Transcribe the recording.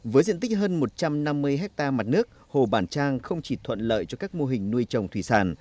với diện tích hơn một trăm năm mươi ha mặt nước hồ bản trang không chỉ thuận lợi cho các mô hình nuôi trồng thủy sản